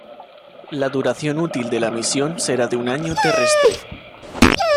La duración útil de la misión será de un año terrestre.